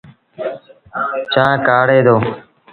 چآنه ڪآڙي دو۔